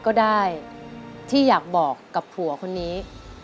ก็ได้ที่อยากบอกกับผัวคนนี้